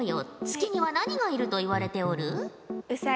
月には何がいるといわれておる？